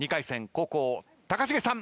後攻高重さん